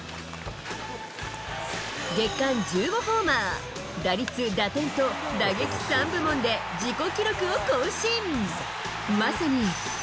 月間１５ホーマー、打率、打点と、打撃３部門で自己記録を更新。